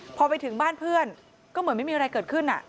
พอไปถึงบ้านเพื่อนก็เหมือนไม่มีอะไรเกิดขึ้น